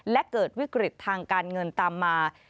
และเกิดวิกฤตทางการเงินตามมา